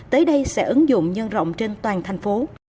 tới đây sẽ ứng dụng nhân rộng trên toàn thành phố